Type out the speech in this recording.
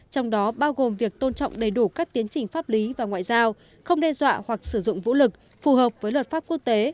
trong đó bao gồm việc tôn trọng đầy đủ các tiến trình pháp lý và ngoại giao không đe dọa hoặc sử dụng vũ lực phù hợp với luật pháp quốc tế